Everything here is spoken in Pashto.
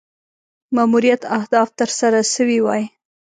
ماموریت اهداف تر سره سوي وای.